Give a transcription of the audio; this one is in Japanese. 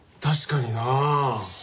確かにな。